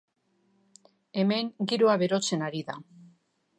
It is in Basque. Hemen giroa berotzen ari da.